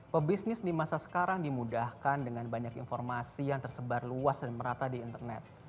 pebisnis di masa sekarang dimudahkan dengan banyak informasi yang tersebar luas dan merata di internet